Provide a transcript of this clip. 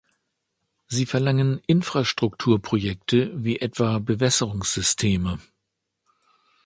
Sie verlangen Infrastrukturprojekte wie etwa Bewässerungssysteme.